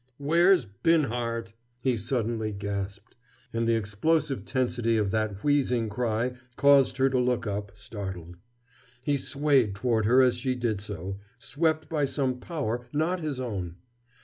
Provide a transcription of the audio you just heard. "Where's Binhart?" he suddenly gasped, and the explosive tensity of that wheezing cry caused her to look up, startled. He swayed toward her as she did so, swept by some power not his own.